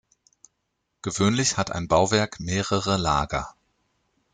Gewöhnlich hat ein Bauwerk mehrere Lager.